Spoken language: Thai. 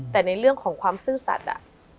แต่ในเรื่องของความซื่อสัตว์